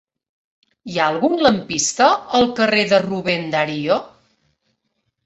Hi ha algun lampista al carrer de Rubén Darío?